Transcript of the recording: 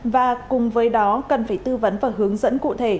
và cùng với đó cần phải tư vấn và hướng dẫn cụ thể